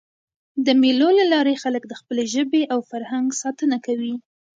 د مېلو له لاري خلک د خپلي ژبي او فرهنګ ساتنه کوي.